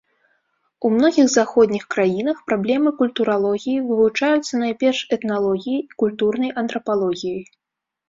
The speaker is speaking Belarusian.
У многіх заходніх краінах праблемы культуралогіі вывучаюцца найперш этналогіяй і культурнай антрапалогіяй.